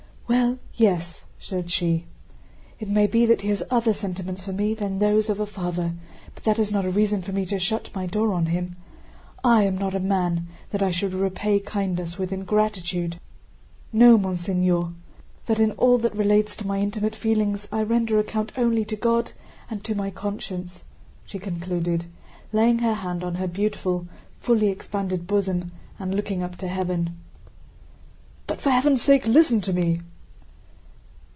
"Well, yes," said she, "it may be that he has other sentiments for me than those of a father, but that is not a reason for me to shut my door on him. I am not a man, that I should repay kindness with ingratitude! Know, monseigneur, that in all that relates to my intimate feelings I render account only to God and to my conscience," she concluded, laying her hand on her beautiful, fully expanded bosom and looking up to heaven. "But for heaven's sake listen to me!"